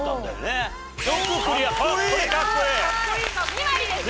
２割です